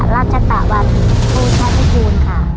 ราชตะวันภูชาพิกูลค่ะ